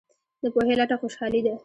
د پوهې لټه خوشحالي ده.